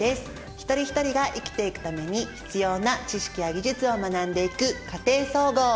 一人一人が生きていくために必要な知識や技術を学んでいく「家庭総合」。